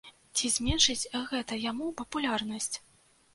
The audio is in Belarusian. Ці зменшыць гэта яму папулярнасць?